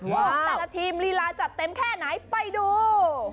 แต่ละทีมลีลาจัดเต็มแค่ไหนไปดู